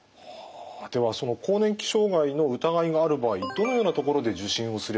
ではその更年期障害の疑いがある場合どのようなところで受診をすればいいですか？